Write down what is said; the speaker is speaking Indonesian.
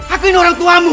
aku ini orangtuamu